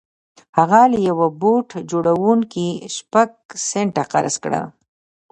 هغه له يوه بوټ جوړوونکي شپږ سنټه قرض کړل.